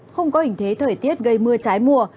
không có hình thế thời tiết gây mưa trái mùa